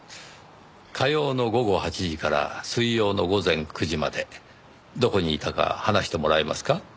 火曜の午後８時から水曜の午前９時までどこにいたか話してもらえますか？